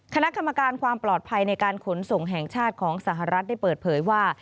คณะกรรมการความปลอดภัยในการขนส่งแห่งชาติของสหรัฐได้เปิดเผยว่า